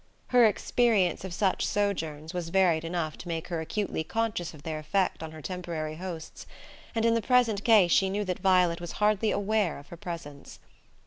Her experience of such sojourns was varied enough to make her acutely conscious of their effect on her temporary hosts; and in the present case she knew that Violet was hardly aware of her presence.